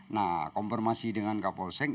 nah konfirmasi dengan kapolsek